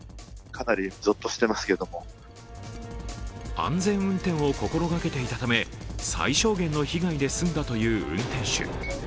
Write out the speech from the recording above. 安全運転を心がけていたため最小限の被害で済んだという運転手。